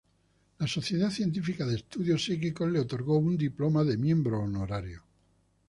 La Sociedad Científica de Estudios Psíquicos le otorgó un diploma de miembro honorario.